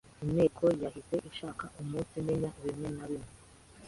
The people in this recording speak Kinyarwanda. Inteko yahise ishaka umunsimenya bimwe na bimwe